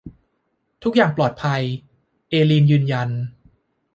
ทุกอย่างปลอดภัยเอลีนยืนยัน